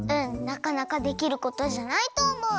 なかなかできることじゃないとおもう。